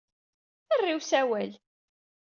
Err i usawal.